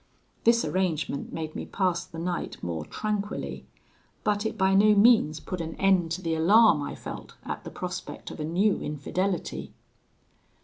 This arrangement made me pass the night more tranquilly, but it by no means put an end to the alarm I felt at the prospect of a new infidelity.